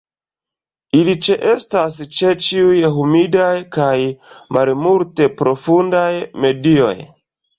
Ili ĉeestas ĉe ĉiuj humidaj kaj malmulte profundaj medioj.